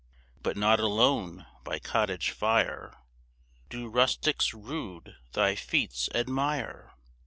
But not alone by cottage fire Do rustics rude thy feats admire.